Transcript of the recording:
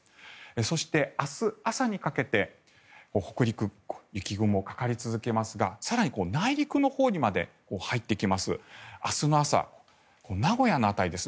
そして、明日朝にかけて北陸、雪雲がかかり続けますが更に内陸のほうにまで入ってきます。